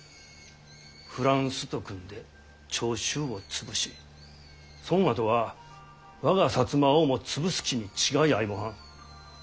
フランスと組んで長州を潰しそんあとは我が摩をも潰す気に違いあいもはん。